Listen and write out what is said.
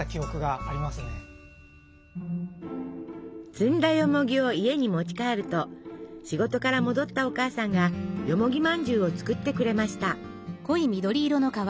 摘んだよもぎを家に持ち帰ると仕事から戻ったお母さんがよもぎまんじゅうを作ってくれました。